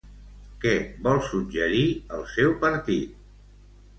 Què vol suggerir el seu partit?